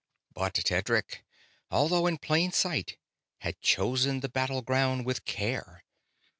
But Tedric, although in plain sight, had chosen the battleground with care.